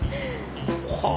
はあ。